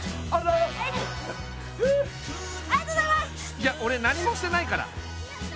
いや俺何もしてないから。